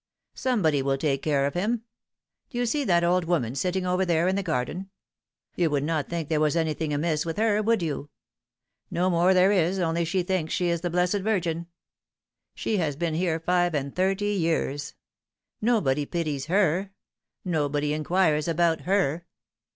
Somebody will take care of him. Do you see that old woman sitting over there in the garden ? You would not think there was anything amiss with her, would you ? No more there is, only she thinks she is the Blessed Virgin. She has been here five and thirty years. Nobody pities her nobody inquires about her.